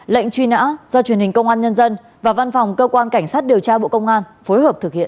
lệnh truy nã do truyền hình công an nhân dân và văn phòng cơ quan cảnh sát điều tra bộ công an phối hợp thực hiện